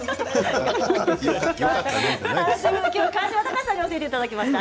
今日は川島孝さんに教えていただきました。